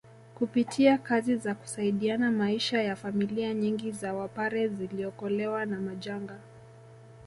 Kupitia kazi za kusaidiana maisha ya familia nyingi za Wapare ziliokolewa na majanga